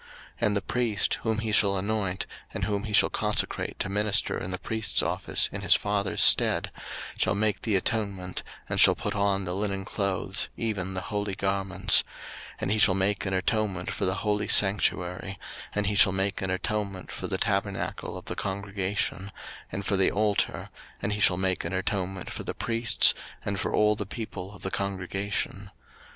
03:016:032 And the priest, whom he shall anoint, and whom he shall consecrate to minister in the priest's office in his father's stead, shall make the atonement, and shall put on the linen clothes, even the holy garments: 03:016:033 And he shall make an atonement for the holy sanctuary, and he shall make an atonement for the tabernacle of the congregation, and for the altar, and he shall make an atonement for the priests, and for all the people of the congregation.